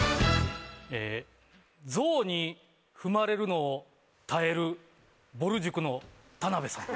ええゾウに踏まれるのを耐えるぼる塾の田辺さん。